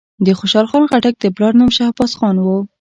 د خوشحال خان خټک د پلار نوم شهباز خان وو.